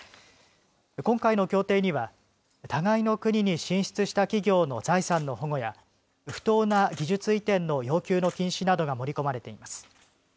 今回の協定には互いの国に進出した企業の財産の保護や不当な技術移転の要求の禁止などが盛り込まれています。